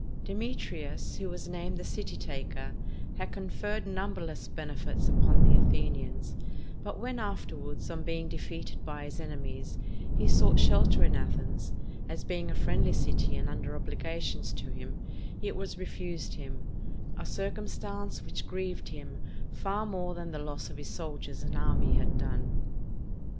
Demetrius, who was named the "City taker," had conferred numberless benefits upon the Athenians; but when, afterwards, on being defeated by his enemies, he sought shelter in Athens, as being a friendly city and under obligations to him, it was refused him; a circumstance which grieved him far more than the loss of his soldiers and army had done.